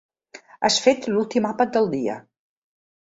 Has fet l'ultim àpat del dia.